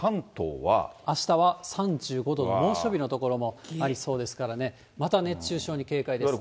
あしたは３５度の猛暑日の所もありそうですからね、また熱中症に警戒です。